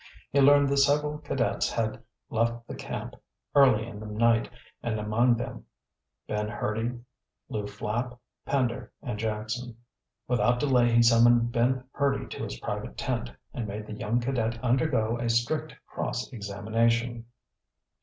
He learned the several cadets had left camp early in the night and among them Ben Hurdy, Lew Flapp, Pender, and Jackson. Without delay he summoned Ben Hurdy to his private tent and made the young cadet undergo a strict cross examination.